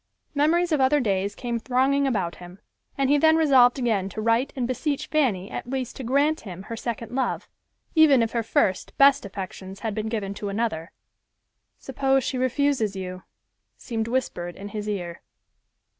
Memories of other days came thronging about him, and he then resolved again to write and beseech Fanny at least to grant him her second love, even if her first, best affections had been given to another. "Suppose she refuses you," seemed whispered in his ear.